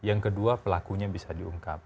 dan yang kedua pelakunya bisa diungkap